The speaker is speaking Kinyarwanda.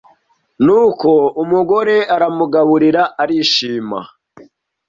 Ni uko umugore aramugaburira arishima